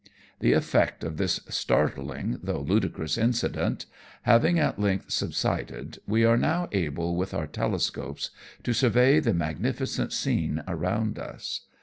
The effect of this startling, though ludicrous incident, having at length subsided, we are now able with our telescopes to survey the magnificent scene around us.